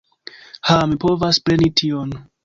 Ha, mi povas preni tion!